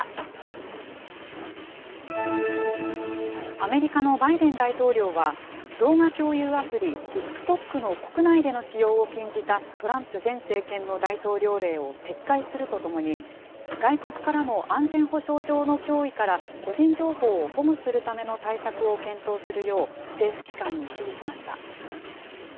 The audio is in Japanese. アメリカのバイデン大統領は、動画共有アプリ、ＴｉｋＴｏｋの国内での使用を禁じたトランプ前政権の大統領令を撤回するとともに、外国からの安全保障上の脅威から、個人情報を保護するための対策を検討するよう、政府機関に指示しました。